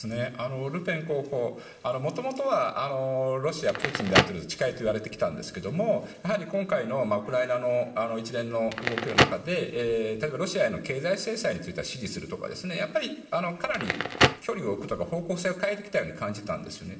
ルペン候補、もともとはロシアのプーチン大統領と近いといわれてきましたが今回のウクライナの一連の動きの中で例えばロシアへの経済制裁については支持するとかやっぱりかなり距離を置くとか方向性を変えてきたように思うんですね。